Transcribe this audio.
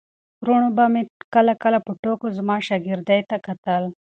وروڼو به مې کله کله په ټوکه زما شاګردۍ ته کتل.